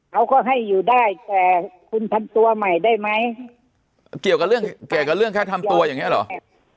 เขาก็ให้อยู่ได้แต่คุณทำตัวใหม่ได้ไหมเกี่ยวกับเรื่องแค่ทำตัวอย่างเนี้ยเหรอ